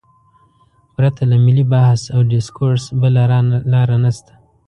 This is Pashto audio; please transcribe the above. پرته له ملي بحث او ډیسکورس بله لار نشته.